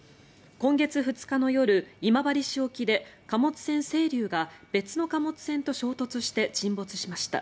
今月２日の夜、今治市沖で貨物船「せいりゅう」が別の貨物船と衝突して沈没しました。